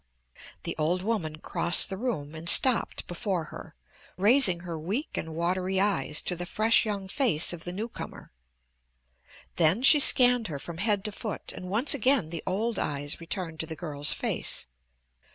The old woman crossed the room and stopped before her, raising her weak and watery eyes to the fresh young face of the newcomer. Then she scanned her from head to foot and once again the old eyes returned to the girl's face.